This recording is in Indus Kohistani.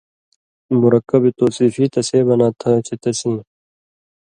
مرکب توصیفی تسے بناں تھہ چے تسیں